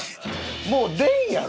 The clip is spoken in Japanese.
もう出んやろ。